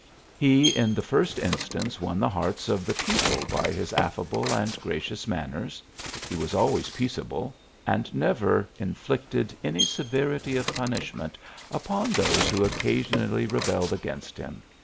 He in the first in stance won the hearts of the people by bis affa ble and gracious manners ; he was always peacea ble, and never Inflicted any severity of punishment upon those who occasionally rebelled against him.